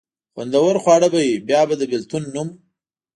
خوندور خواړه به وي، بیا به د بېلتون نوم.